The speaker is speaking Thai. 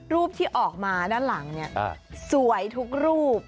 รูปที่ออกมาด้านหลังเนี่ยสวยทุกรูป